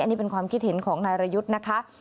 นี่เป็นความคิดเห็นของนายรยุทธ์นะคะ